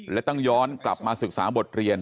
และต้องย้อนกลับมาศึกษาบทเรียน